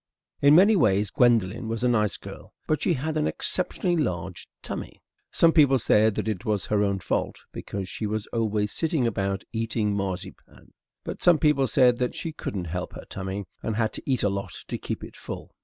In many ways Gwendolen was a nice girl, but she had an exceptionally large tummy. Some people said that it was her own fault, because she was always sitting about eating marzipan. But some people said that she couldn't help her tummy, and had to eat a lot to keep it full.